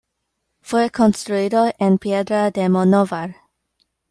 Fue construido en piedra de Monóvar.